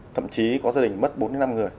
thậm chí có gia đình mất bốn mươi năm người